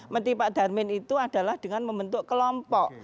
menteri pak darmin itu adalah dengan membentuk kelompok